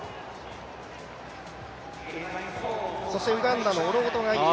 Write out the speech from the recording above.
そしてウガンダのオロゴトがいて。